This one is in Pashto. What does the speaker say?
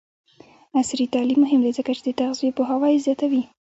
عصري تعلیم مهم دی ځکه چې د تغذیه پوهاوی زیاتوي.